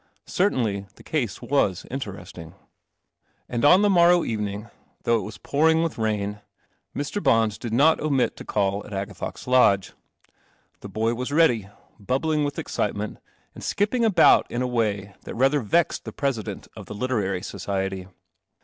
Cer • nly the case wa interc tin . THE CELESTIAL OMNIBUS And on the morrow evening, though it was pouring with rain, Mr. Bons did not omit to call at Agathox Lodge. The boy was ready, bubbling with excite ment, and skipping about in a way that rather vexed the President of the Literary Society.